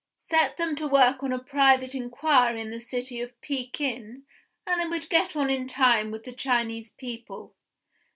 Set them to work on a private inquiry in the city of Pekin and they would get on in time with the Chinese people.